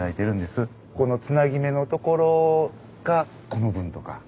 このつなぎ目の所がこの部分とか。